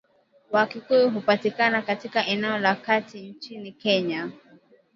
Wakikuyu hupatikana katika eneo la Kati nchini Kenya.